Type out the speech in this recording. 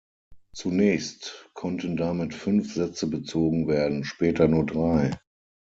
Zunächst konnten damit fünf Sätze bezogen werden, später nur drei.